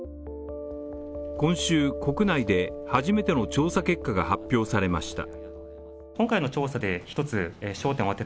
今週国内で初めての調査結果が発表されました